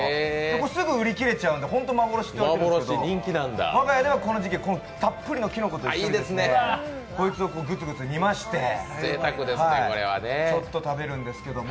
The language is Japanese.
すぐ売り切れちゃうんで、本当に幻の千代幻豚なんですけど我が家ではこの時期、たっぷりのきのこと一緒にこいつをぐつぐつ煮まして食べるんですけども。